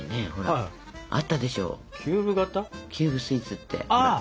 キューブスイーツってほら。